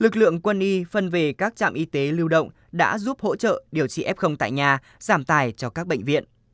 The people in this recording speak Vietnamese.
lực lượng quân y phân về các trạm y tế lưu động đã giúp hỗ trợ điều trị f tại nhà giảm tài cho các bệnh viện